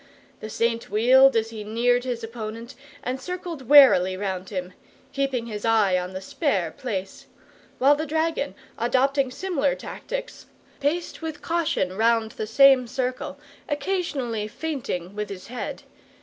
The Saint wheeled as he neared his opponent and circled warily round him, keeping his eye on the spare place; while the dragon, adopting similar tactics, paced with caution round the same circle, occasionally feinting with his head.